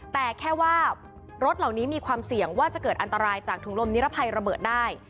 แต่แค่ว่ารถเหล่านี้มีความเสี่ยงว่าจะเกิดอันตรายจากถุงลมนิรภัยระเบิดได้